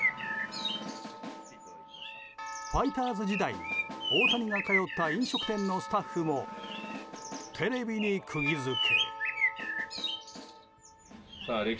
ファイターズ時代大谷が通った飲食店のスタッフもテレビに釘付け。